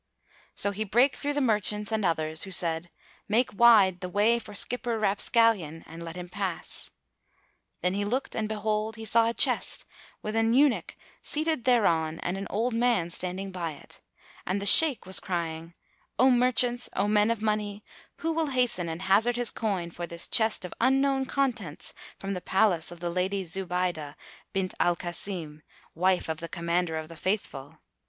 So he brake through the merchants and others, who said, "Make wide the way for Skipper Rapscallion, [FN#244] and let him pass." Then he looked and behold, he saw a chest, with an eunuch seated thereon and an old man standing by it, and the Shaykh was crying, "O merchants, O men of money, who will hasten and hazard his coin for this chest of unknown contents from the Palace of the Lady Zubaydah bint al Kasim, wife of the Commander of the Faithful?